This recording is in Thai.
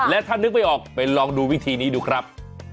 และถ้านึกไม่ออกไปลองดูวิธีนี้ดูครับ